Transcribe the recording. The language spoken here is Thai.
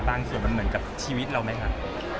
มันเหมือนกับชีวิตเราไหมครับ